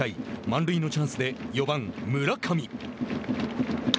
満塁のチャンスで４番村上。